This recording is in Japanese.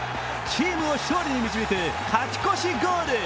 チームを勝利に導く勝ち越しゴール。